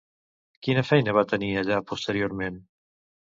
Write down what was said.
Quina feina va tenir allà posteriorment?